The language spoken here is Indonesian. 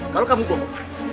kalau kamu bohong